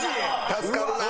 助かるなあ。